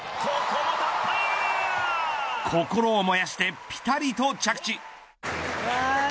心を燃やして、ぴたりと着地。